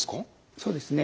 そうですね。